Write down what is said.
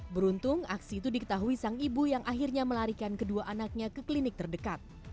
beruntung aksi itu diketahui sang ibu yang akhirnya melarikan kedua anaknya ke klinik terdekat